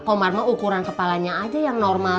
komar mau ukuran kepalanya aja yang normal